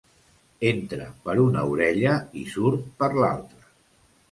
Entra per una orella i surt per l'altra.